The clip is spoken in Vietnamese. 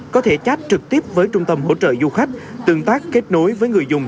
có thể chat trực tiếp với trung tâm hỗ trợ du khách tương tác kết nối với người dùng